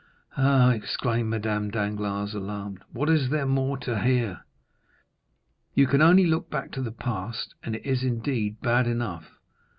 "Ah," exclaimed Madame Danglars, alarmed, "what is there more to hear?" "You only look back to the past, and it is, indeed, bad enough.